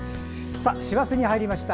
師走に入りました。